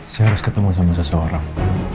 saya harus ketemu sama seseorang